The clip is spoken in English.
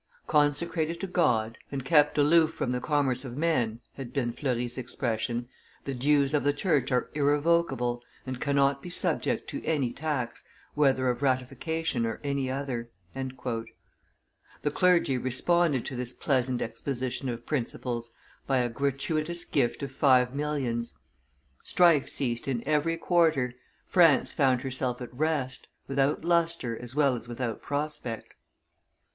"Consecrated to God, and kept aloof from the commerce of men," had been Fleury's expression, "the dues of the church are irrevocable, and cannot be subject to any tax, whether of ratification or any other." The clergy responded to this pleasant exposition of principles by a gratuitous gift of five millions. Strife ceased in every quarter; France found herself at rest, without lustre as well as without prospect.